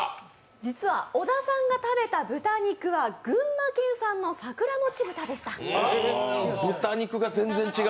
実は小田さんが食べた豚肉は群馬県産の桜もち豚でした。